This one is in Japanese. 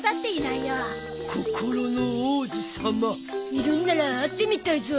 いるんなら会ってみたいゾ。